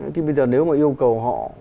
thế bây giờ nếu mà yêu cầu họ